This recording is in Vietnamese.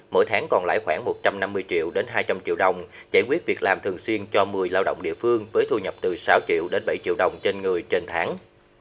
mỗi tháng còn lãi khoảng một trăm năm mươi triệu đến hai trăm linh triệu đồng giải quyết việc làm thường xuyên cho một mươi lao động địa phương với thu nhập từ sáu triệu đến bảy triệu đồng trên người trên tháng